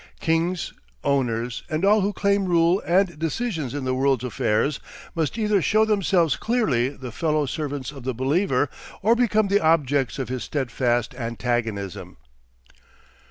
Kings, owners, and all who claim rule and decisions in the world's affairs, must either show themselves clearly the fellow servants of the believer or become the objects of his steadfast antagonism.